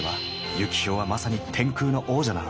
ユキヒョウはまさに天空の王者なの！